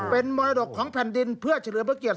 เป็นมรดกของแผ่นดินเพื่อเฉลิมพระเกียรติ